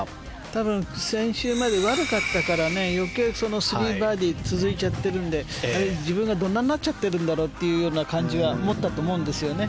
多分先週まで悪かったから余計、３バーディー続いちゃってるので自分がどんなんなっちゃってるんだろうという感じは思ったと思うんですよね。